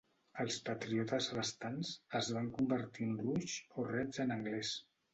Els Patriotes restants, es van convertir en "Rouges", o "Reds" en anglès.